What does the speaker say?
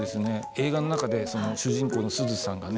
映画の中で主人公のすずさんがね